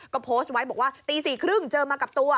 ก็โพสต์ไว้บอกว่าตี๔๓๐เจอมากับตัว